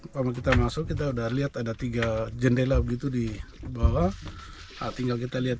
pertama kita masuk kita udah lihat ada tiga jendela begitu di bawah tinggal kita lihat